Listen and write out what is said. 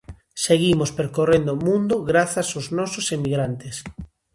Seguimos percorrendo mundo grazas aos nosos emigrantes.